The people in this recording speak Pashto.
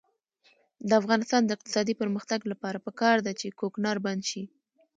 د افغانستان د اقتصادي پرمختګ لپاره پکار ده چې کوکنار بند شي.